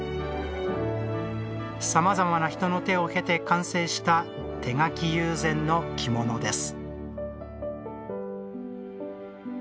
さまざまな人の手を経て完成した手描き友禅の着物です。